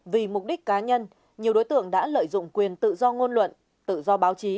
vì mục đích cá nhân nhiều đối tượng đã lợi dụng quyền tự do ngôn luận tự do báo chí